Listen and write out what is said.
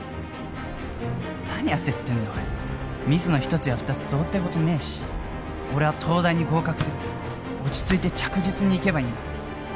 何焦ってんだ俺ミスの１つや２つどうってことねえし俺は東大に合格する落ち着いて着実にいけばいいんだ